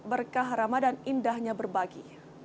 berkah ramadan indahnya berbagi